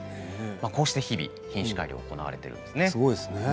こうして日々品種改良が行われているんですね。